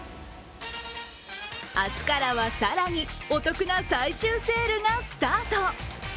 明日からは更にお得な最終セールがスタート。